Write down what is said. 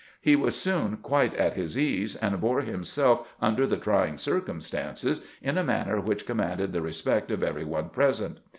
He was soon quite at his ease, and bore him self under the trying circumstances in a manner which commanded the respect of every one present.